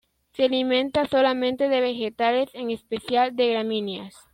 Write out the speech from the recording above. Se alimenta solamente de vegetales, en especial de gramíneas.